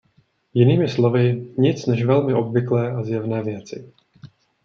Jinými slovy, nic než velmi obvyklé a zjevné věci.